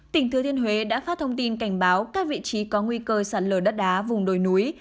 tỉnh thừa thiên huế đã phát thông tin cảnh báo các vị trí có nguy cơ sạt lở đất đá vùng đồi núi